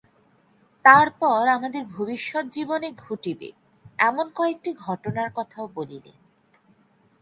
তারপর আমাদের ভবিষ্যৎ জীবনে ঘটিবে, এমন কয়েকটি ঘটনার কথাও বলিলেন।